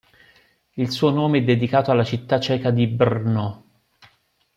Il suo nome è dedicato alla città ceca di Brno.